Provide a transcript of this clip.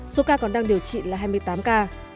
số ca còn đang điều trị là hai mươi tám ca